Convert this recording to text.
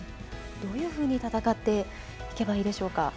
どういうふうに戦っていけばいいでしょうか。